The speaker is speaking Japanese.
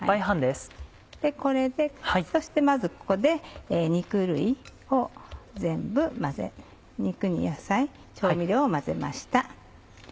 そしてまずここで肉類を全部混ぜ肉に野菜調味料を混ぜました。